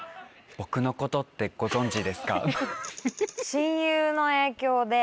僕のことってご存じですか？